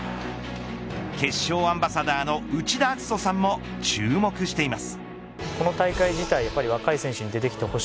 決勝アンバサダーの内田篤人さんも注目しています。